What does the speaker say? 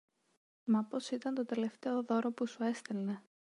μα πως ήταν το τελευταίο δώρο που σου έστελνε